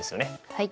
はい。